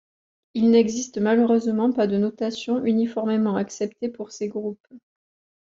Il n'existe malheureusement pas de notations uniformément acceptées pour ces groupes.